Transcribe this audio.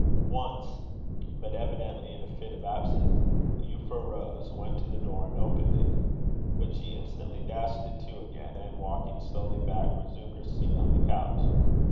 Once but evidently in a fit of absence Euphra rose, went to the door, and opened it. But she instantly dashed it to again, and walking slowly back, resumed her seat on the couch.